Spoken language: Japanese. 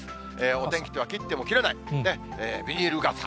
お天気とは切っても切れない、ビニール傘。